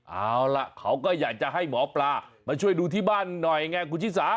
เอาล่ะเขาก็อยากจะให้หมอปลามาช่วยดูที่บ้านหน่อยไงคุณชิสา